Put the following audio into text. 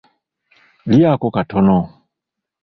Lyako katono.